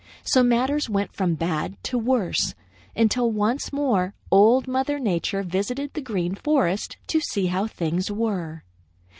So matters went from bad to worse, until once more Old Mother Nature visited the Green Forest to see how things were.